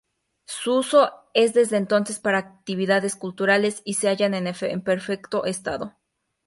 Su uso es desde entonces para actividades culturales y se halla en perfecto estado.